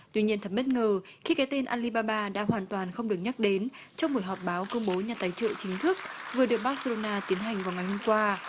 tuy nhiên thật bất ngờ khi cái tên alibaba đã hoàn toàn không được nhắc đến trong buổi họp báo công bố nhà tài trợ chính thức vừa được barcelona tiến hành vào ngày hôm qua